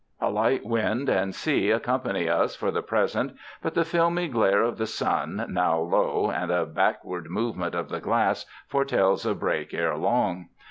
A light wind and sea accompany us for the present, but the filmy glare of the sun, now low, and a backward movement of the glass foretells a break ere long.